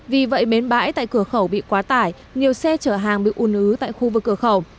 vì vậy bến bãi tại cửa khẩu bị quá tải nhiều xe chở hàng bị ùn ứ tại khu vực cửa khẩu